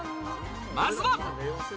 まずは。